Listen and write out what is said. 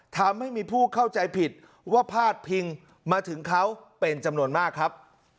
ทำให้มีผู้เข้าใจผิดว่าพาดพิงมาถึงเขาเป็นจำนวนมากครับ